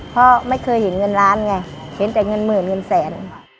เพราะไม่เคยเห็นเงินล้านไงเห็นแต่เงินหมื่นเงินแสน